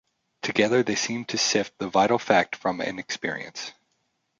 Together they seemed to sift the vital fact from an experience.